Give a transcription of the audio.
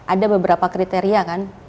ada beberapa kriteria kan